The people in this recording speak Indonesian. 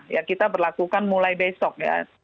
ya kita berlakukan mulai besok ya